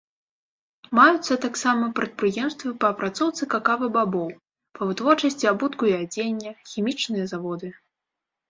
Маюцца таксама прадпрыемствы па апрацоўцы какава-бабоў, па вытворчасці абутку і адзення, хімічныя заводы.